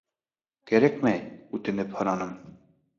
Кәрәкмәй, үтенеп һорайым.